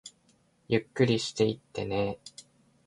ゆっくりしていってねー